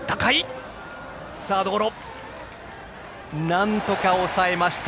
なんとか抑えました。